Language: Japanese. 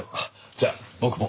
じゃあ僕も。